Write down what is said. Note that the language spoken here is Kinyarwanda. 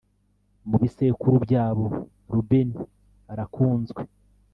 mu bisekuru byabo Rubeni arakunzwe